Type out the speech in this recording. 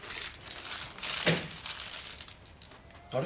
あれ？